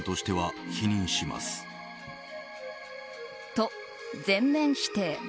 と、全面否定。